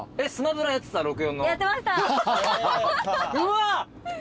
うわっ！